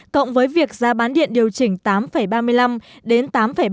cộng với việc giá bán điện điều chỉnh tám ba mươi năm đến tám ba mươi